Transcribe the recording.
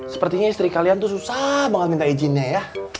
sepertinya istri kalian tuh susah banget minta izinnya ya